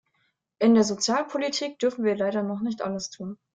In der Sozialpolitik dürfen wir leider noch nicht alles tun.